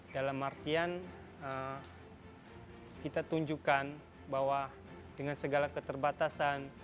dalam artian kita tunjukkan bahwa dengan segala keterbatasan